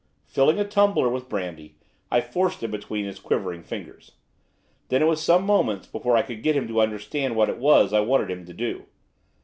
Filling a tumbler with brandy, I forced it between his quivering fingers. Then it was some moments before I could get him to understand what it was I wanted him to do.